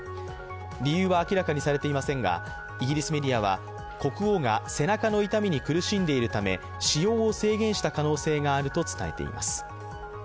理由は明らかにされていませんが、イギリスメディアは国王が背中の痛みに苦しんでいるため使用を制限した可能性があると伝えています。